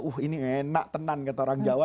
uh ini enak tenang kata orang jawa